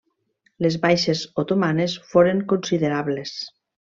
Les baixes otomanes foren considerables.